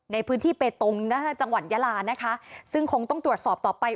ในพื้นที่เปตงจังหวัดยาลานะคะซึ่งคงต้องตรวจสอบต่อไป